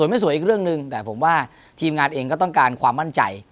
ไม่สวยอีกเรื่องหนึ่งแต่ผมว่าทีมงานเองก็ต้องการความมั่นใจ